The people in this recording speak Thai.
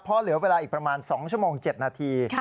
เพราะเหลือเวลาอีกประมาณ๒ชั่วโมง๗นาที